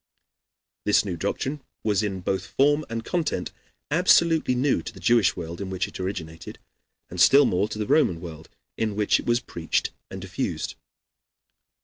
This new doctrine was in both form and content absolutely new to the Jewish world in which it originated, and still more to the Roman world in which it was preached and diffused.